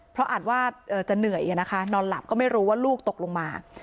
เพราะอาจว่าจะเหนื่อยนะคะนอนหลับก็ไม่รู้ว่าลูกตกลงมา